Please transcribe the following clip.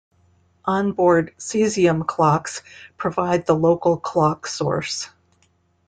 On-board cesium clocks provide the local clock source.